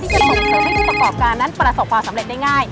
จะส่งเสริมให้ผู้ประกอบการนั้นประสบความสำเร็จได้ง่าย